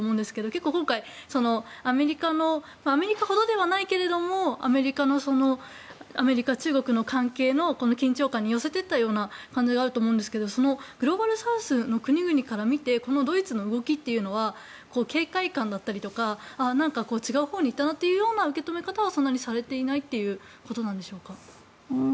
結構今回、アメリカのアメリカほどではないけれどもアメリカ・中国の関係の緊張感に寄せていったような感じがあると思うんですけどグローバルサウスの国々から見てこのドイツの動きというのは警戒感だったりとかなんか違うほうに行ったなというような受け止め方はそんなにされていないということでしょうか。